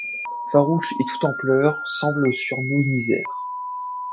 Farouche et tout en pleurs, semble sur nos misères